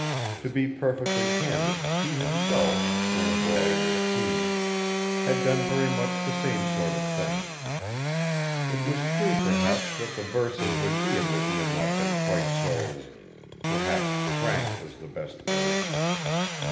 To be perfectly candid he himself, when a boy in his teens, had done very much the same sort of thing. It was true perhaps that the verses which he had written had not been quite so ... perhaps frank was the best word.